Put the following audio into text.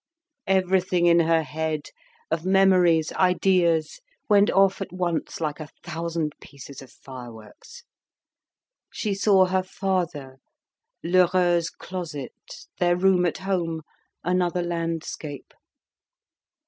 Everything in her head, of memories, ideas, went off at once like a thousand pieces of fireworks. She saw her father, Lheureux's closet, their room at home, another landscape.